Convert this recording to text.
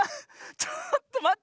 ちょっとまって。